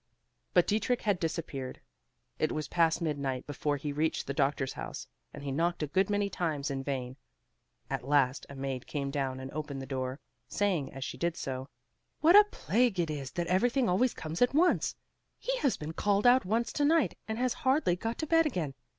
But Dietrich had disappeared. It was past midnight, before he reached the doctor's house, and he knocked a good many times in vain. At last a maid came down and opened the door, saying as she did so, "What a plague it is, that everything always comes at once! He has been called out once to night, and has hardly got to bed again.